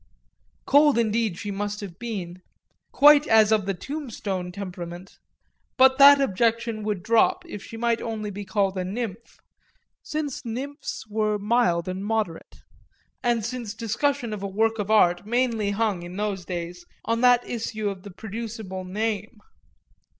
Cold indeed she must have been quite as of the tombstone temperament; but that objection would drop if she might only be called a Nymph, since nymphs were mild and moderate, and since discussion of a work of art mainly hung in those days on that issue of the producible name.